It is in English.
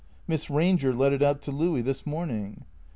" Miss Eanger let it out to Louis this morning."